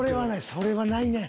それはないね。